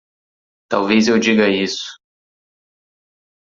Talvez eu diga isso.